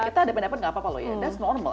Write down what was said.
kita ada pendapat gak apa apa loh ya that's normal